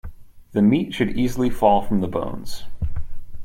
The meat should easily fall from the bones.